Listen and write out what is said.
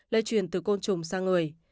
lây truyền từ côn trùng sang người